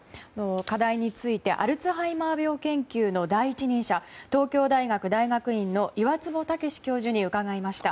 課題についてアルツハイマー病研究の第一人者、東京大学大学院の岩坪威教授に伺いました。